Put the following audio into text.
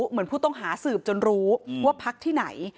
เหมือนผู้ต้องหาสืบจนรู้ว่าพักที่ไหน